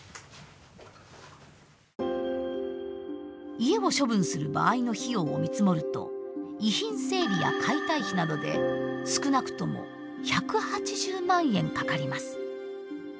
家を処分する場合の費用を見積もると遺品整理や解体費などで少なくとも１８０万円かかります。